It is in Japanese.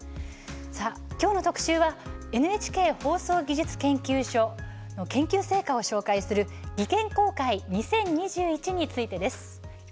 きょうの特集はＮＨＫ放送技術研究所の研究成果を紹介する「技研公開２０２１」についてです。